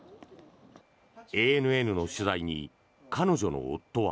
ＡＮＮの取材に彼女の夫は。